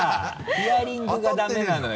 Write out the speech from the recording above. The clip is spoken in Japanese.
ヒアリングがダメなのよ。